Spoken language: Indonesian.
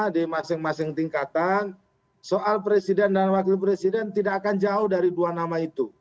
di masing masing tingkatan soal presiden dan wakil presiden tidak akan jauh dari dua nama itu